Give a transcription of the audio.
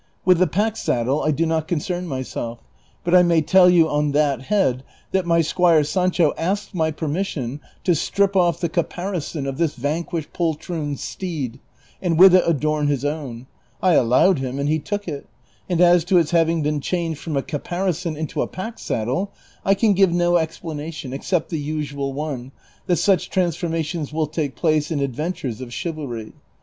With the pack saddle I do not concern myself ; but I may tell you on that head that my squire Sancho asked my permission to strip off the caparison of this vanquished poltroon's steed, and with it adorn his own ; I allowed him, and he took it ; and as to its having been changed from a capar ison into a pack saddle, I can give no exi)lanation except the usual one, that such transformations will take place in advent ures of chivalry.